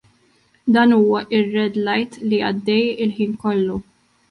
Dan huwa r-red light li għaddej il-ħin kollu!